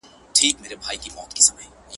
شرمښ د خدايه څه غواړي، يا باد يا باران.